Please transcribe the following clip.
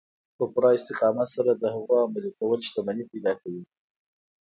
په پوره استقامت سره د هغو عملي کول شتمني پيدا کوي.